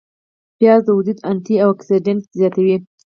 پیاز د وجود انتي اوکسیدانت زیاتوي